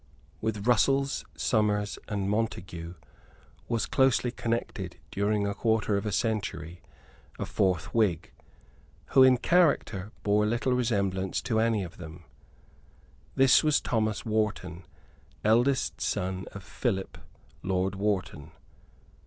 With Russell, Somers and Montague, was closely connected, during a quarter of a century a fourth Whig, who in character bore little resemblance to any of them. This was Thomas Wharton, eldest son of Philip Lord Wharton.